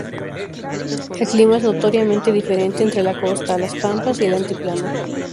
El clima es notoriamente diferente entre la costa, las pampas y el altiplano.